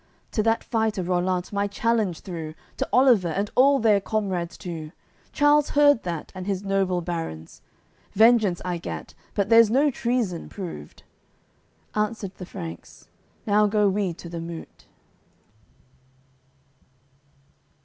To that fighter Rollant my challenge threw, To Oliver, and all their comrades too; Charles heard that, and his noble baruns. Vengeance I gat, but there's no treason proved." Answered the Franks: "Now go we to the moot.